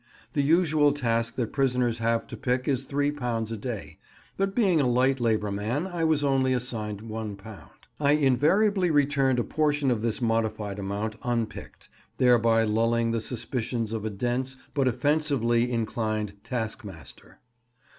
The usual task that prisoners have to pick is three pounds a day, but being a light labour man I was only assigned one pound. I invariably returned a portion of this modified amount unpicked, thereby lulling the suspicions of a dense but offensively inclined taskmaster.